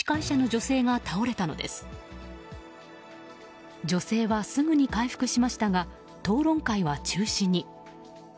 女性はすぐに回復しましたが討論会は中止に。